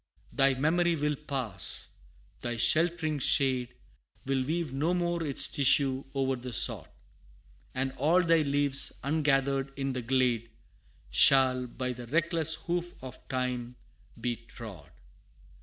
Thy memory will pass; thy sheltering shade, Will weave no more its tissue o'er the sod; And all thy leaves, ungathered in the glade, Shall, by the reckless hoof of time, be trod.